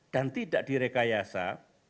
dan tidak direkayasa